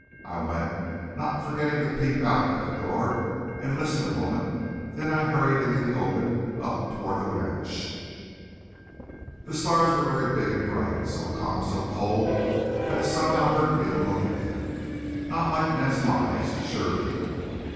I went, not forgetting to peep out at the door and to listen a moment, then I hurried into the open, up toward the ranch. The stars were very big and bright, so calm, so cold, that it somehow hurt me to look at them. Not like men's lives, surely!